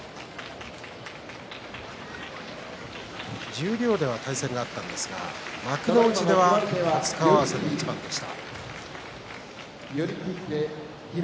十両では対戦があったんですが幕内では初顔合わせの一番でした。